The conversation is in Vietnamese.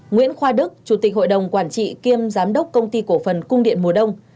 nguyễn khoa đức chủ tịch hội đồng quản trị kiêm giám đốc công ty cổ phần cung điện mùa đông